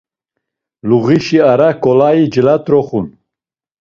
Luğişi ara ǩolai celat̆roxun.